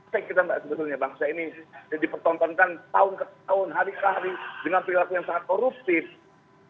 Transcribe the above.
saya kira mbak sebetulnya bangsa ini dipertontonkan tahun ke tahun hari ke hari dengan perilaku yang sangat koruptif